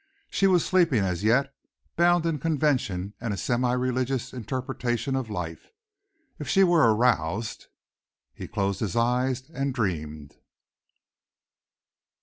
She was sleeping as yet, bound in convention and a semi religious interpretation of life. If she were aroused! He closed his eyes and dreamed.